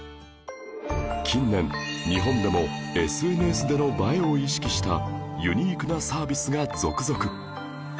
近年日本でも ＳＮＳ での映えを意識したユニークなサービスが続々！